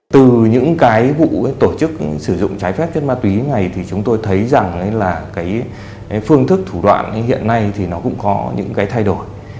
từ những cái vụ tổ chức sử dụng trái phép chất ma túy này thì chúng tôi thấy rằng là cái phương thức thủ đoạn hiện nay thì nó cũng có những cái thay đổi